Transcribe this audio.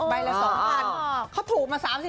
ใบละ๒๐๐เขาถูกมา๓๐